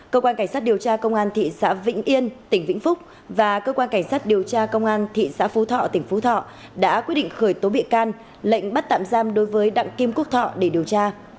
cơ quan cảnh sát điều tra công an thị xã vĩnh yên tỉnh vĩnh phúc và cơ quan cảnh sát điều tra công an thị xã phú thọ tỉnh phú thọ đã quyết định khởi tố bị can lệnh bắt tạm giam đối với đặng kim quốc thọ để điều tra